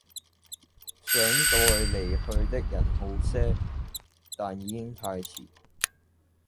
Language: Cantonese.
想待離去的人好些，但已經太遲